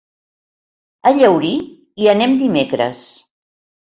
A Llaurí hi anem dimecres.